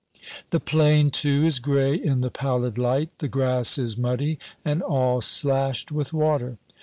The plain, too, is gray in the pallid light; the grass is muddy, and all slashed with water.